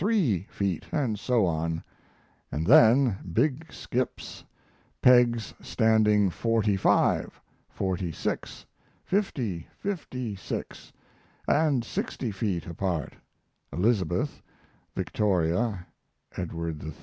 three feet, and so on and then big skips; pegs standing forty five, forty six, fifty, fifty six, and sixty feet apart (Elizabeth, Victoria, Edward III.